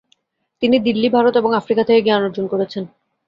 তিনি দিল্লী, ভারত এবং আফ্রিকা থেকে জ্ঞান অর্জন করেছেন।